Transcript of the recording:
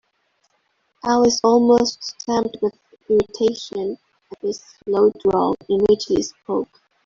Alice almost stamped with irritation at the slow drawl in which he spoke.